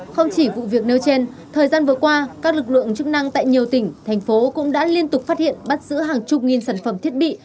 không chỉ vụ việc nêu trên thời gian vừa qua các lực lượng chức năng tại nhiều tỉnh thành phố cũng đã liên tục phát hiện bắt giữ hàng chục nghìn sản phẩm thiết bị